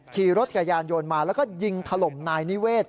ขี่รถจักรยานยนต์มาแล้วก็ยิงถล่มนายนิเวศ